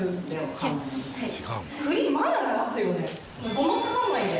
ごまかさないで。